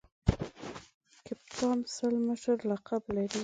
کپتان سل مشر لقب لري.